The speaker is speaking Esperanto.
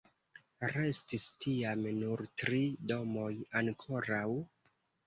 Restis tiam nur tri domoj ankoraŭ.